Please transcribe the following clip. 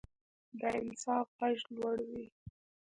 د انصاف غږ لوړ وي